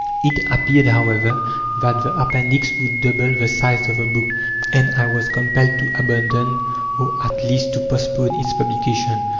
It appeared, however, that the Appendix would double the size of the book, and I was compelled to abandon, or, at least, to postpone its publication.